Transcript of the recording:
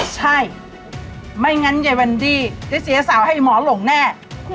ใช่ไม่งั้นยายวันดี้จะเสียสาวให้หมอหลงแน่